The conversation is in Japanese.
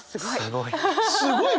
すごい。